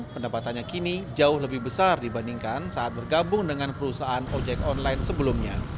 pendapatannya kini jauh lebih besar dibandingkan saat bergabung dengan perusahaan ojek online sebelumnya